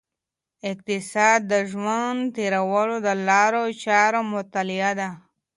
اقتصاد د ژوند تیرولو د لارو چارو مطالعه ده.